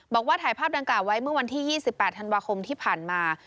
บอกว่าถ่ายภาพดังกล่าวไว้เมื่อวันที่๒๘ธันวาคมที่ผ่านมา